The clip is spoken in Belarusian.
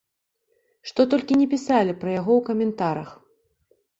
Што толькі не пісалі пра яго ў каментарах!